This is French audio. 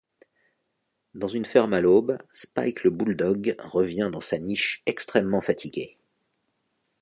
Dans une ferme à l'aube, Spike le bouledogue revient dans sa niche extrêmement fatigué.